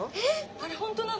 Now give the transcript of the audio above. あれ本当なの？